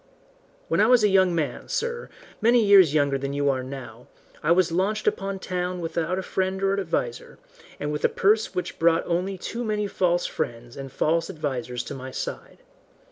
"When I was a young man, sir, many years younger than you are now, I was launched upon town without a friend or adviser, and with a purse which brought only too many false friends and false advisers to my side.